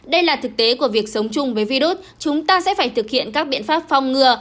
đây là thực tế của việc sống chung với virus chúng ta sẽ phải thực hiện các biện pháp phong ngừa